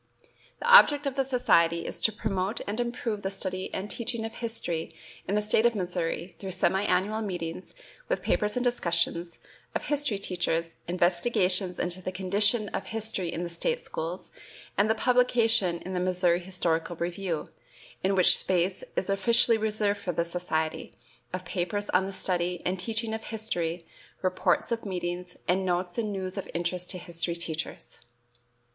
The object of the society is to promote and improve the study and teaching of history in the State of Missouri through semi annual meetings, with papers and discussions, of history teachers, investigations into the condition of history in the State schools, and the publication in the "Missouri Historical Review," in which space is officially reserved for the society, of papers on the study and teaching of history, reports of meetings, and notes and news of interest to history teachers.